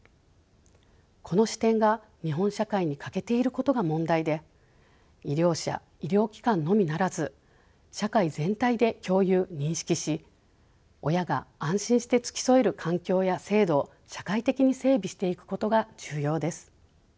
この視点が日本社会に欠けていることが問題で医療者医療機関のみならず社会全体で共有認識し親が安心して付き添える環境や制度を社会的に整備していくことが重要です。